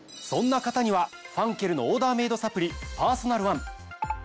そんな方にはファンケルのオーダーメイドサプリパーソナルワン。